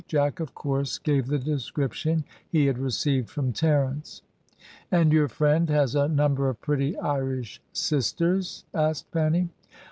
Jack, of course, gave the description he had received from Terence. "And your friend has a number of pretty Irish sisters?" asked Fanny.